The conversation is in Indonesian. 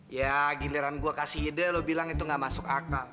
ya giliran gue kasih ide lo bilang itu gak masuk akal